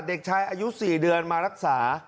เด็กชายอายุ๔เดือนมารักษา